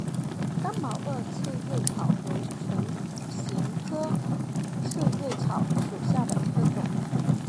刚毛萼刺蕊草为唇形科刺蕊草属下的一个种。